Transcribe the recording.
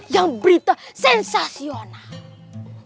yang berita sensasional